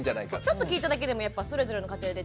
ちょっと聞いただけでもやっぱそれぞれの家庭で違いますね。